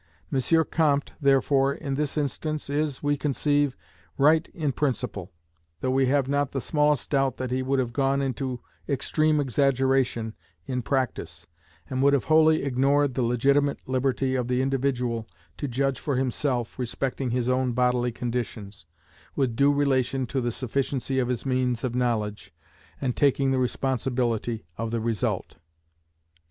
M. Comte, therefore, in this instance, is, we conceive, right in principle; though we have not the smallest doubt that he would have gone into extreme exaggeration in practice, and would have wholly ignored the legitimate liberty of the individual to judge for himself respecting his own bodily conditions, with due relation to the sufficiency of his means of knowledge, and taking the responsibility of the result.